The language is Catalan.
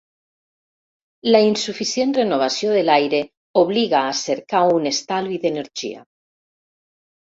La insuficient renovació de l'aire obliga a cercar un estalvi d'energia.